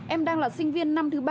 em đang là sinh viên năm thứ ba